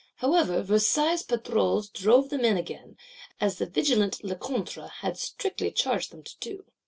However, Versailles Patroles drove them in again; as the vigilant Lecointre had strictly charged them to do.